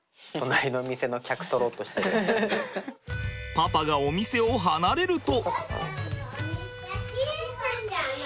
パパがお店を離れると。